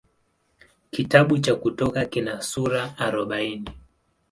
Kitabu cha Kutoka kina sura arobaini.